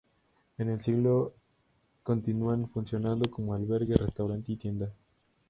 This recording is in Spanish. En el siglo continúan funcionando como albergue, restaurante y tienda.